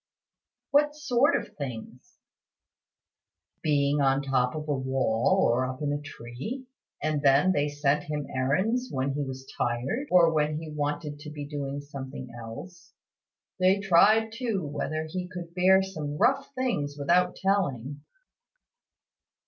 "What sort of things?" "Being on the top of a wall, or up in a tree. And then they sent him errands when he was tired, or when he wanted to be doing something else. They tried too whether he could bear some rough things without telling."